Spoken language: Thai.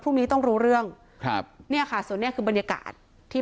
พรุ่งนี้ต้องรู้เรื่องครับเนี่ยค่ะส่วนเนี้ยคือบรรยากาศที่